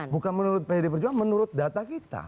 bukan menurut pd perjuangan menurut data kita